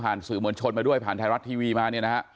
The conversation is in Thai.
ผ่านสื่อมวลชนมาด้วยผ่านไทยรัฐทีวีมา